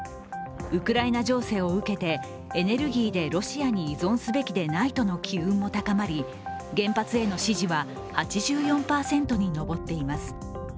ウクライナ情勢を受けて、エネルギーでロシアに依存すべきでないとの機運も高まり、原発への支持は８４％に上っています。